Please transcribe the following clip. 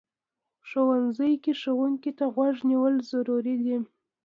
ښوونځی کې ښوونکي ته غوږ نیول ضروري دي